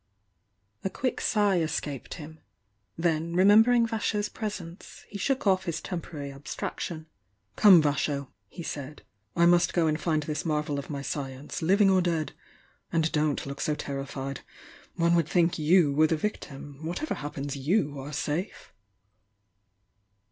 A quick sigh escaped him, — then remembering Vasho's presence, he shook o£F his temporary ab straction. "Come, Vasho!" he said, "I must go and find this marvel of ray science — living or dead! And don't look so terrified! — one would think you were the victim! Whatever happens, you are safe!"